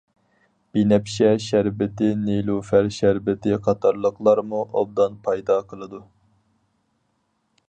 بىنەپشە شەربىتى، نېلۇپەر شەربىتى قاتارلىقلارمۇ ئوبدان پايدا قىلىدۇ.